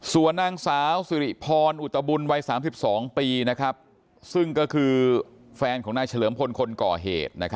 ส่วนนางสาวสิริพรอุตบุญวัย๓๒ปีซึ่งก็คือแฟนของนายเฉลิมพลคนก่อเหตุ